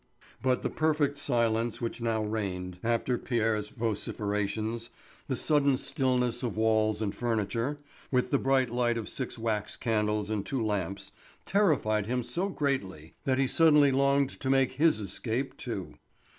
But the perfect silence which now reigned, after Pierre's vociferations, the sudden stillness of walls and furniture, with the bright light of six wax candles and two lamps, terrified him so greatly that he suddenly longed to make his escape too.